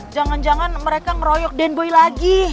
jangan jangan mereka ngeroyok den boy lagi